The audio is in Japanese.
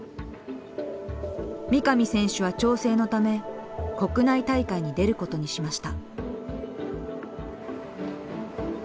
三上選手は調整のため国内大会に出ることにしました。